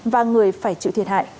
và người phải chịu thiệt hại